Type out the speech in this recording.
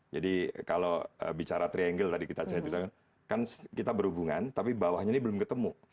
jadi kalau bicara triangle tadi kita jahit jahit kan kita berhubungan tapi bawahnya ini belum ketemu